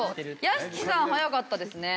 屋敷さん早かったですね。